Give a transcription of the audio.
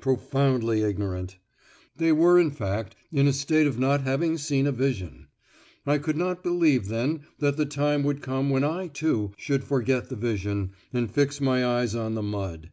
profoundly ignorant; they were in fact in a state of not having seen a vision! I could not believe then that the time would come when I, too, should forget the vision, and fix my eyes on the mud!